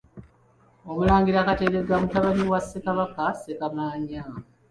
OMULANGIRA Kateregga mutabani wa Ssekabaka Ssekamaanya.